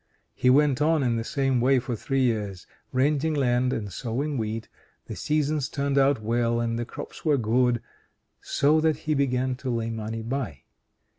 He went on in the same way for three years; renting land and sowing wheat. The seasons turned out well and the crops were good, so that he began to lay money by.